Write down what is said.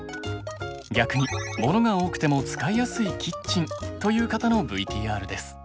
逆にモノが多くても使いやすいキッチンという方のＶＴＲです。